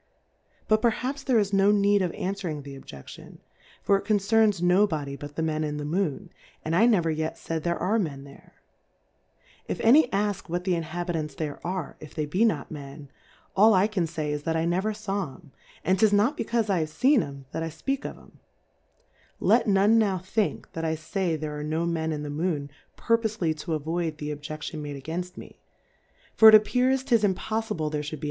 But perhaps there is no need of anfwering the Olje ciion^ for it concerns no Body but the Men in ^/;^Moon; andlneveryet faid there are Men there •// any ask what the Inhabitants there are^ if they be ?iot Men? AUIcanfayis^ that I never faw ^emb ^^^d ^tls not becaufe I have feen '*em^ that I fpeak of ^cm : Let none now think J that Ifiy there are no Men in the Moon, ^ur^oftly to avoid the Oljeciion made PREFACE. 'i made againfl me ; for it appears ^tis mt" \ {ojjihle there Jlwulu he a?